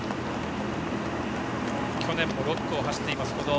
去年も６区を走っています